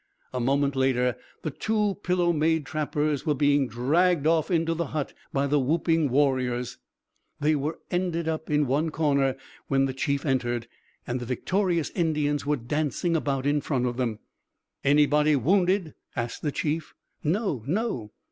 A moment later the two pillow made trappers were being dragged off into the hut by the whooping warriors. They were up ended in one corner when the Chief entered, and the victorious Indians were dancing about in front of them. "Anybody wounded?" asked the Chief. "No, no."